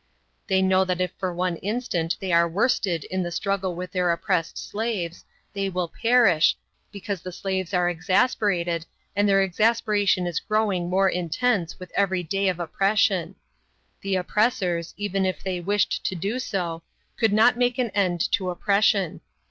They know that if for one instant they are worsted in the struggle with their oppressed slaves, they will perish, because the slaves are exasperated and their exasperation is growing more intense with every day of oppression. The oppressors, even if they wished to do so, could not make an end to oppression.